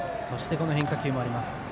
そして、変化球もあります。